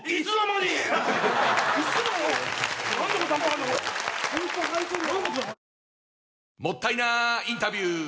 もったいなインタビュー！